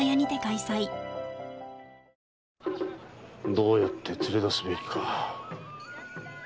どうやって連れ出すべきか。